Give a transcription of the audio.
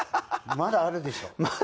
まだあるでしょ。